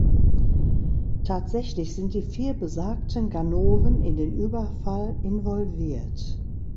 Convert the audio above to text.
Tatsächlich sind die vier besagten Ganoven in den Überfall involviert.